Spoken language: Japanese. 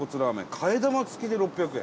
替え玉付きで６００円。